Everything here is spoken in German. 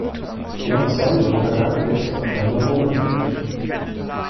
Nach Sonnenuntergang wird es noch einmal romantisch.